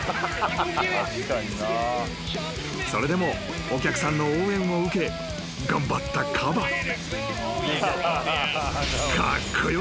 ［それでもお客さんの応援を受け頑張ったカバ］